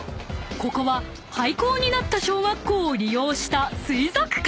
ここは廃校になった小学校を利用した水族館］